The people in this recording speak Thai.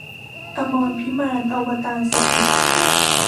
อมรพิมาน อวตารสถิตย์